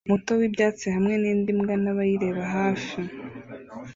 muto wibyatsi hamwe nindi mbwa nabayireba hafi